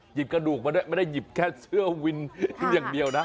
กระดูกมาด้วยไม่ได้หยิบแค่เสื้อวินอย่างเดียวนะ